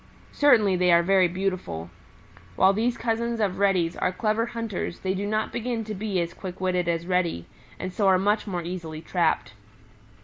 Certainly they are very beautiful. While these cousins of Reddy's are clever hunters they do not begin to be as quick witted as Reddy, and so are much more easily trapped.